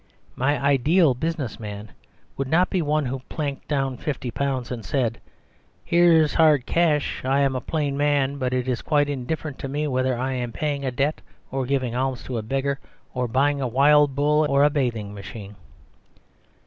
My ideal business man would not be one who planked down fifty pounds and said "Here is hard cash ; I am a plain man ; it is quite indifferent to me whether The Superstition of Divorce 19 I am paying a debt, or giving alms to a beg gar, or buying a wild bull or a bathing ma chine."